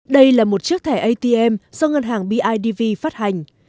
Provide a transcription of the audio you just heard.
đây là một chiếc thẻ atm do ngân hàng bidv phát hành